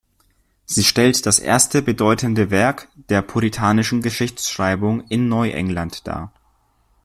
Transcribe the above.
Sie stellt das erste bedeutende Werk der puritanischen Geschichtsschreibung in Neuengland dar.